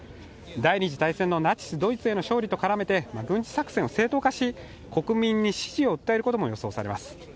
第二次大戦のナチスドイツへの勝利と絡めて軍事作戦を正当化し、国民に支持を訴えることも予想されます。